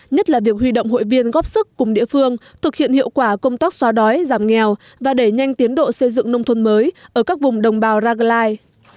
nhất là việc huy động hội viên góp sức cùng địa phương thực hiện hiệu quả công tác xóa đói giảm nghèo và đẩy nhanh tiến độ xây dựng nông thôn mới ở các vùng đồng bào rackline